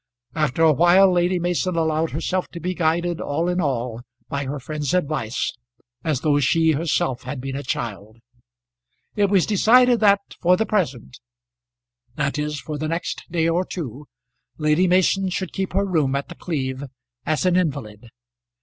After a while Lady Mason allowed herself to be guided all in all by her friend's advice as though she herself had been a child. It was decided that for the present, that is for the next day or two, Lady Mason should keep her room at The Cleeve as an invalid.